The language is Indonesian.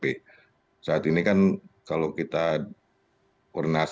jadi saat ini kan kalau kita kurnasi